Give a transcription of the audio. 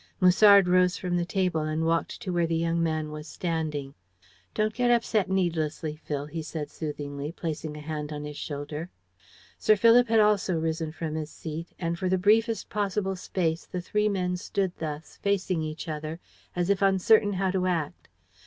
Musard rose from the table and walked to where the young man was standing. "Don't get upset needlessly, Phil," he said soothingly, placing a hand on his shoulder. Sir Philip had also risen from his seat, and for the briefest possible space the three men stood thus, facing each other, as if uncertain how to act.